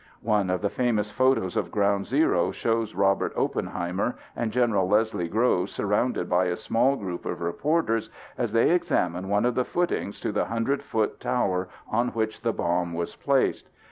One of the famous photos of ground zero shows Robert Oppenheimer and General Leslie Groves surrounded by a small group of reporters as they examine one of the footings to the 100 foot tower on which the bomb was placed.